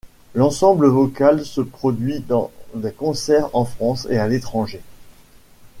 L’ensemble vocal se produit dans des concerts en France et à l’étranger.